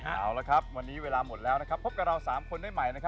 เอาละครับวันนี้เวลาหมดแล้วนะครับพบกับเรา๓คนได้ใหม่